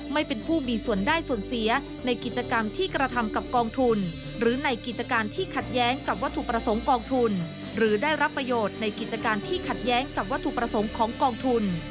ไม่เป็นผู้มีส่วนได้ส่วนเสียในกิจกรรมที่กระทำกับกองทุนหรือในกิจการที่ขัดแย้งกับวัตถุประสงค์กองทุนหรือได้รับประโยชน์ในกิจการที่ขัดแย้งกับวัตถุประสงค์ของกองทุน